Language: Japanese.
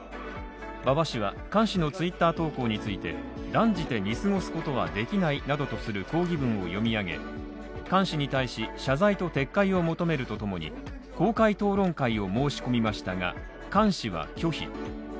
馬場氏は菅氏のＴｗｉｔｔｅｒ投稿について断じて見過ごすことはできないなどとする抗議文を読みあげ菅氏に対し、謝罪と撤回を求めるとともに公開討論会を申し込みましたが、菅氏は拒否。